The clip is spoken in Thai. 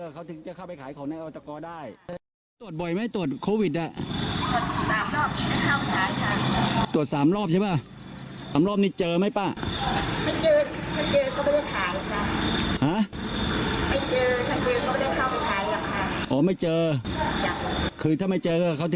ก็ไปขายของนั่งอาตกได้แต่ถ้าเจอนี่ขายไม่ได้